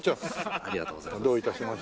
ありがとうございます。